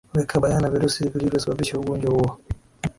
weka bayana virusi vilivyo sababisha ugonjwa huo